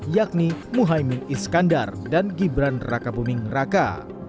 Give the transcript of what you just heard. yakni muhaymin iskandar dan gibran raka buming raka